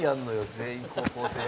全員、高校生役。